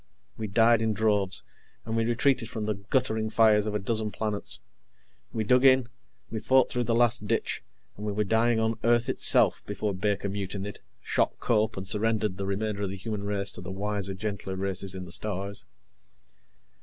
We died in droves, and we retreated from the guttering fires of a dozen planets, we dug in, we fought through the last ditch, and we were dying on Earth itself before Baker mutinied, shot Cope, and surrendered the remainder of the human race to the wiser, gentler races in the stars.